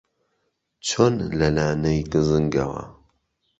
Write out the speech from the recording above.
چۆن لە لانەی گزنگەوە